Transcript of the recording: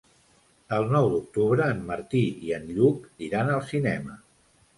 El nou d'octubre en Martí i en Lluc iran al cinema.